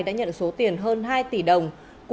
đã nhận số tiền hơn hai tỷ đồng